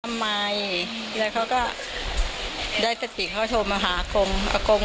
ทำไมแล้วเขาก็ได้สติเขาโทรมาหากงอากง